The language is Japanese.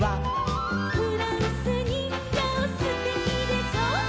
「フランスにんぎょうすてきでしょ」